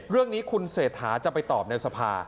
เรื่องนี้คุณเศรษฐาจะไปตอบในสภา